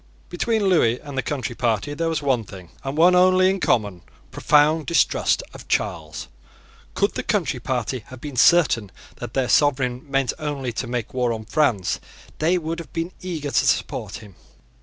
Between Lewis and the Country Party there was one thing, and one only in common, profound distrust of Charles. Could the Country Party have been certain that their sovereign meant only to make war on France, they would have been eager to support him.